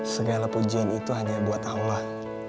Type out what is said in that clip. segala pujian itu hanya buat allah